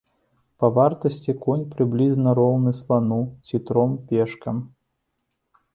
Па вартасці конь прыблізна роўны слану ці тром пешкам.